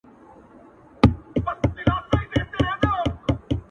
زموږه دوو زړونه دي تل په خندا ونڅيږي؛